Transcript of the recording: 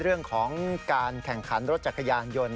เรื่องของการแข่งขันรถจักรยานยนต์